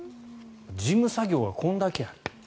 事務作業がこんだけある。